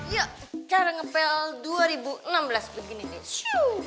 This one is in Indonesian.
yuk cara ngepel dua ribu enam belas begini nih